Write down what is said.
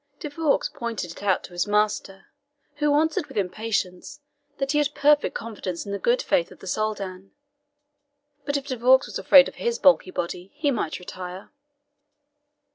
De Vaux pointed it out to his master, who answered with impatience that he had perfect confidence in the good faith of the Soldan; but if De Vaux was afraid of his bulky body, he might retire.